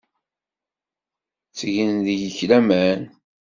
Ttgen deg-k laman.